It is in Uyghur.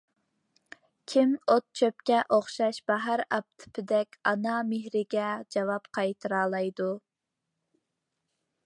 كىم ئوت- چۆپكە ئوخشاش باھار ئاپتىپىدەك ئانا مېھرىگە جاۋاب قايتۇرالايدۇ.